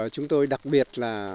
chúng tôi đặc biệt là